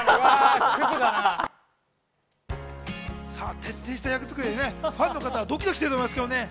徹底した役作りでね、ファンの方はドキドキしてると思います。